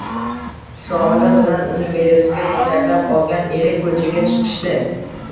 Shohida bilan uning velosiped yetaklab olgan eri ko‘chaga chiqishdi